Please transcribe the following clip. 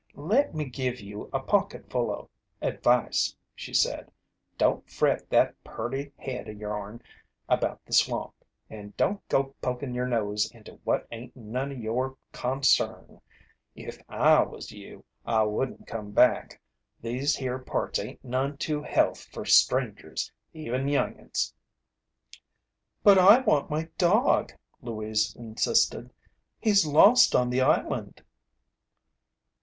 "Let me give you a pocketful o' advice," she said. "Don't fret that purty head o' yourn about the swamp. And don't go pokin' yer nose into what ain't none o' your consarn. If I was you, I wouldn't come back. These here parts ain't none too health fer strangers, even young 'uns." "But I want my dog," Louise insisted. "He's lost on the island."